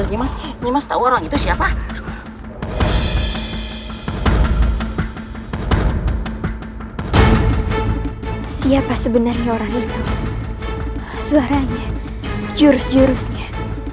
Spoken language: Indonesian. jangan lupa like share dan subscribe ya